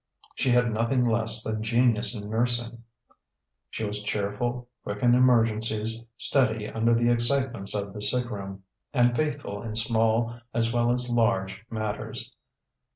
She had nothing less than genius in nursing. She was cheerful, quick in emergencies, steady under the excitements of the sick room, and faithful in small, as well as large, matters.